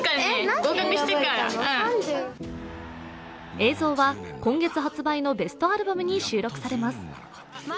映像は今月発売のベストアルバムに収録されます。